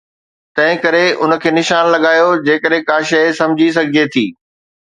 تنهن ڪري ان کي نشان لڳايو جيڪڏهن ڪا شيء سمجهي سگهجي ٿي.